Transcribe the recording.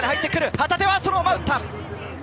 旗手はそのまま打った！